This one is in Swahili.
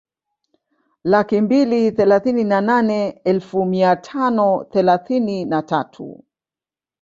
Laki mbili thelathini na nane elfu mia tano thelathini na tatu